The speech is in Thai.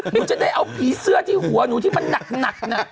จะได้เอาผีเสื้อที่หัวหนูที่มันหนักนะ